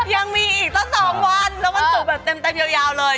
ยังมีอีกเท่า๒วันแล้วมันสูบแบบเต็มยาวเลย